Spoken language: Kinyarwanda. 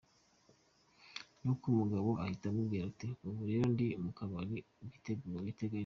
Ni uko umugabo ahita amubwira ati "Ubu rero ndi mu kabari biteganye.